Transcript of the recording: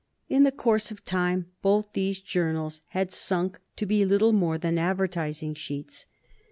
In the course of time both these journals had sunk to be little more than advertising sheets.